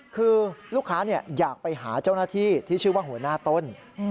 คือลูกค้าอยากไปหาเจ้าหน้าที่ที่ชื่อว่าหัวหน้าต้น